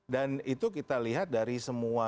dan itu kita lihat dari semua